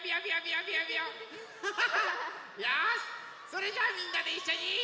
よしそれじゃみんなでいっしょに。